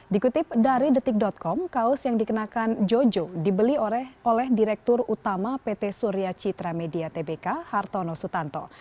dikutip dari detik com kaos yang dikenakan jojo dibeli oleh direktur utama pt surya citra media tbk hartono sutanto